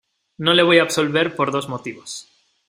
no le voy a absolver por dos motivos: